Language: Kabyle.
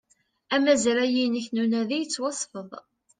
Amazray-inek n unadi yettwasfed